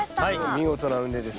見事な畝です